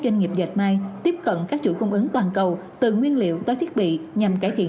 doanh nghiệp dệt may tiếp cận các chuỗi cung ứng toàn cầu từ nguyên liệu tới thiết bị nhằm cải thiện